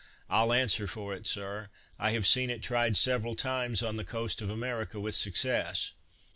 "I'll answer for it, Sir; I have seen it tried several times on the coast of America with success."